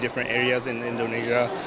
di banyak area area indonesia